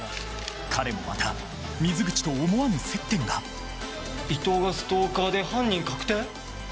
彼もまた水口と思わぬ接点が伊藤がストーカーで犯人確定？